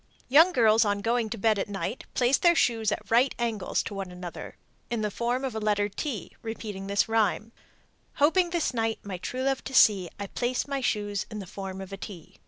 Young girls on going to bed at night place their shoes at right angles to one another, in the form of the letter T, repeating this rhyme: Hoping this night my true love to see, I place my shoes in the form of a T.